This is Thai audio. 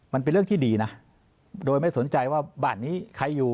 มันเป็นเรื่องที่ดีนะโดยไม่สนใจว่าบ้านนี้ใครอยู่